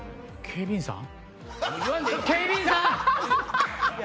警備員さん！